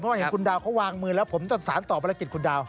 เพราะเห็นคุณดาวเขาวางมือแล้วผมจะสารต่อภารกิจคุณดาว